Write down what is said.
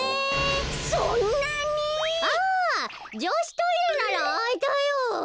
あじょしトイレならあいたよ。